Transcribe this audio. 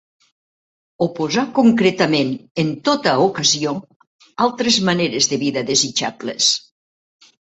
Oposar concretament, en tota ocasió, altres maneres de vida desitjables.